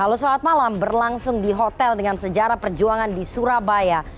halo selamat malam berlangsung di hotel dengan sejarah perjuangan di surabaya